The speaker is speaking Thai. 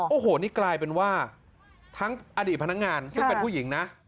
โอ้โหนี่กลายเป็นว่าทั้งอดีตพนักงานซึ่งเป็นผู้หญิงนะ